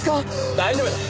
大丈夫だ。